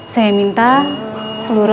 saya minta seluruh